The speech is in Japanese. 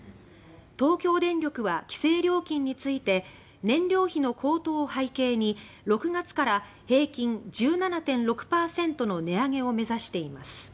東京電力は、規制料金について燃料費の高騰を背景に６月から平均１７．６％の値上げを目指しています。